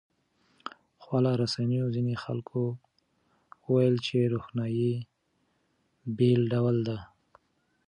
خواله رسنیو ځینې خلک وویل چې روښنايي بېل ډول ده.